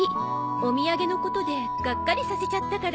お土産のことでガッカリさせちゃったから。